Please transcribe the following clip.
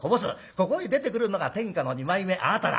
ここへ出てくるのが天下の二枚目あなただ。